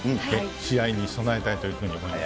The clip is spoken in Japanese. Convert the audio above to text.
試合に備えたいというふうに思います。